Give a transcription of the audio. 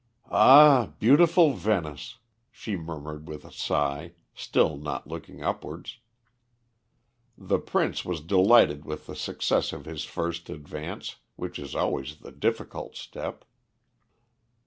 "Ah, beautiful Venice!" she murmured with a sigh, still not looking upwards. The Prince was delighted with the success of his first advance, which is always the difficult step.